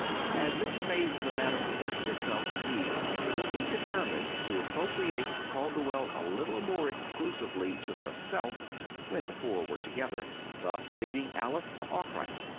As this phase of the matter presented itself, indeed, Billy determined to appropriate Calderwell a little more exclusively to herself, when the four were together, thus leaving Alice for Arkwright.